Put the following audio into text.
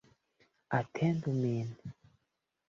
Atendu min.